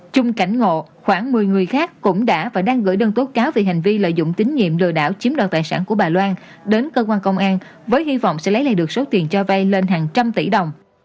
chung cảnh ngộ khoảng một mươi người khác cũng đã và đang gửi đơn tố cáo về hành vi lợi dụng tín nhiệm lừa đảo chiếm đoạt tài sản của bà loan đến cơ quan công an với hy vọng sẽ lấy lại được số tiền cho vay lên hàng trăm tỷ đồng